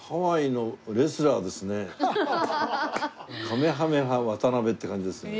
カメハメハ渡辺って感じですね。